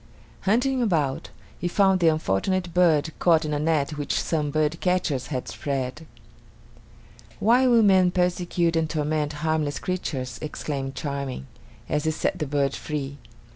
Hunting about, he found the unfortunate bird caught in a net which some birdcatchers had spread. "Why will men persecute and torment harmless creatures!" exclaimed Charming, as he set the bird free.